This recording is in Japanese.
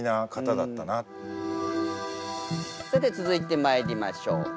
さて続いてまいりましょう。